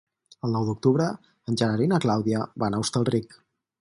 El nou d'octubre en Gerard i na Clàudia van a Hostalric.